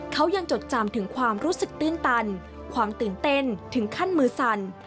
เขายังจดจำถึงความรู้สึกตื้นตันความตื่นเต้นถึงขั้นมือสั่น